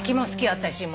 私も。